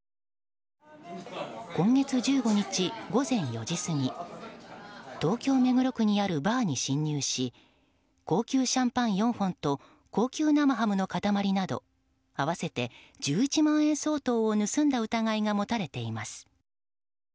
今月１５日、午前４時過ぎ東京・目黒区にあるバーに侵入し高級シャンパン４本と高級生ハムの塊など合わせて１１万円相当を盗んだ疑いが持たれています。